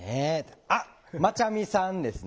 あっまちゃみさんですね。